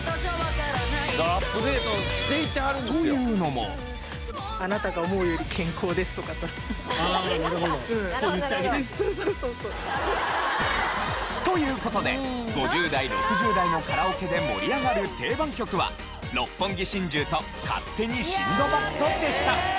アップデートしていってはるんですよ。という事で５０代６０代のカラオケで盛り上がる定番曲は『六本木心中』と『勝手にシンドバッド』でした。